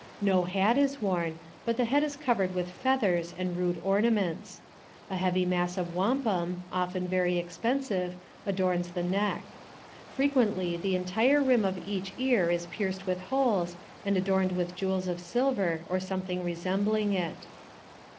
No hat is worn, but the head 188 NARRATIVE OF CAPTIVITY is covered with feathers aud rude ornaments. A heavy mass of wampum, often very expensive, adorns the neck. Frequently the entire rim of each ear is pierced with holes, and adorned with jewels of silver, or something resembling it.